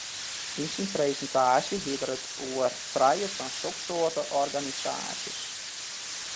Yn syn presintaasje hie er it oer trije fan soksoarte organisaasjes.